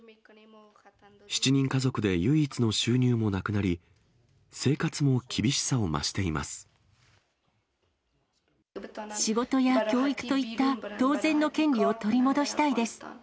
７人家族で唯一の収入もなくなり、仕事や教育といった当然の権利を取り戻したいです。